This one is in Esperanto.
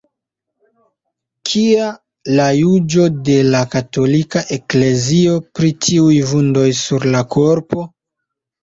Kia la juĝo de la Katolika Eklezio pri tiuj vundoj sur la korpo?